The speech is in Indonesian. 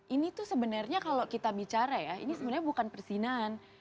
ini tuh sebenarnya kalau kita bicara ya ini sebenarnya bukan perzinaan